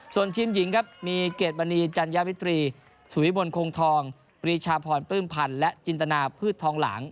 ส่วนทีมหญิงครับมีเกรดมณีจัญญาวิตรีสุวิมลคงทองปรีชาพรปลื้มพันธ์และจินตนาพืชทองหลาง